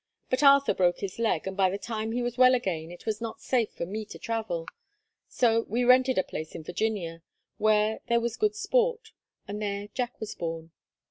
But Arthur broke his leg, and by the time he was well again it was not safe for me to travel. So we rented a place in Virginia, where there was good sport, and there Jack was born.